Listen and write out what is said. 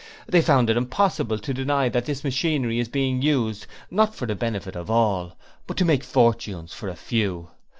They found it impossible to deny that this machinery is being used, not for the benefit of all, but to make fortunes for a few.